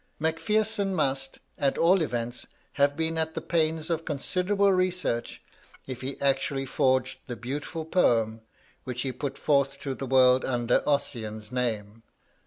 Mac Pherson must, at all events, have been at the pains of considerable research if he actually forged the beautiful poems, which he put forth to the world under Ossian's name.